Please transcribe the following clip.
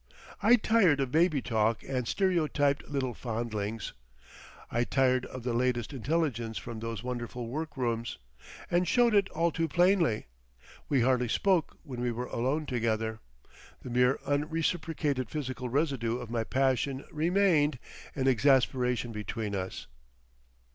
I tired of baby talk and stereotyped little fondlings; I tired of the latest intelligence from those wonderful workrooms, and showed it all too plainly; we hardly spoke when we were alone together. The mere unreciprocated physical residue of my passion remained—an exasperation between us.